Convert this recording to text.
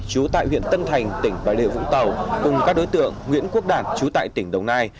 chú tại huyện tân thành tỉnh bà rịa vũng tàu cùng các đối tượng nguyễn quốc đạt chú tại tỉnh đồng nai